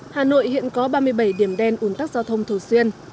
hà nội hiện có ba mươi bảy điểm đen ủn tắc giao thông thường xuyên